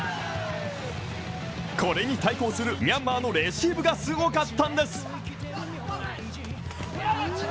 これに対抗するミャンマーのレシーブがすごかったんです。